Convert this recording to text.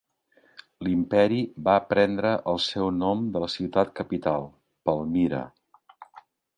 L'imperi va prendre el seu nom de la ciutat capital, Palmira.